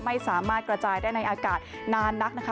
ไม่สามารถกระจายได้ในอากาศนานนักนะคะ